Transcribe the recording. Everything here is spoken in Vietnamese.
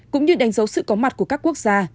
cũng như đánh dấu sự có mặt của các quốc gia